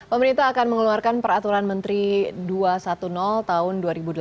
pemerintah akan mengeluarkan peraturan menteri dua ratus sepuluh tahun dua ribu delapan belas